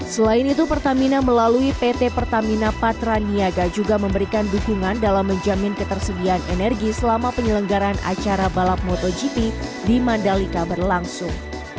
selain itu pertamina melalui pt pertamina patraniaga juga memberikan dukungan dalam menjamin ketersediaan energi selama penyelenggaran acara balap motogp di mandalika berlangsung